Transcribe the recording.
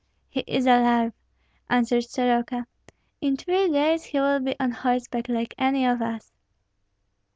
"He is alive," answered Soroka; "in three days he will be on horseback like any of us."